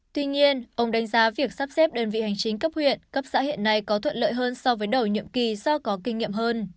tuy nhiên ông đánh giá việc sắp xếp đơn vị hành chính cấp huyện cấp xã hiện nay có thuận lợi hơn so với đầu nhiệm kỳ do có kinh nghiệm hơn